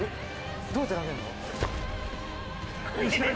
どうやって投げるんだ？